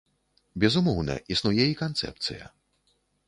Безумоўна, існуе і канцэпцыя.